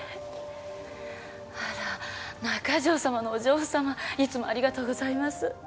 あら中条様のお嬢様いつもありがとうございます。